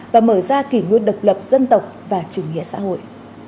và mở ra kỷ nguyên độc lập dân tộc và chủ nghĩa xã hội